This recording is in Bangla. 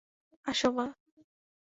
আসো, মা।